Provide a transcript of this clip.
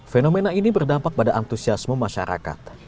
fenomena ini berdampak pada antusiasme masyarakat